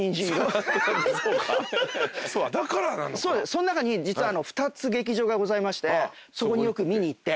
そん中に実は２つ劇場がございましてそこによく見に行って。